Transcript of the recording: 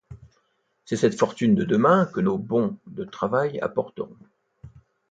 C'est cette fortune de demain que nos bons de travail apporteront.